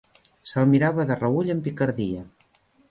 Se'l mirava de reüll amb picardia.